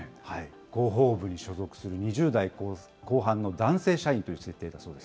広報部に所属する２０代後半の男性社員という設定だそうです。